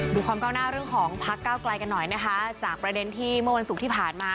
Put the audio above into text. ความก้าวหน้าเรื่องของพักเก้าไกลกันหน่อยนะคะจากประเด็นที่เมื่อวันศุกร์ที่ผ่านมา